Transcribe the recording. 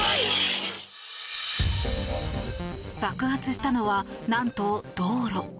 爆発したのは、何と道路。